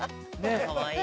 かわいい。